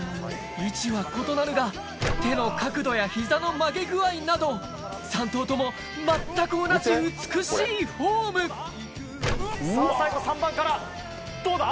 位置は異なるが手の角度や膝の曲げ具合など３投とも全く同じ美しいフォーム最後３番からどうだ？